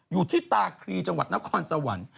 อยู่ที่ตาครีจังหวัดนครสวรรค์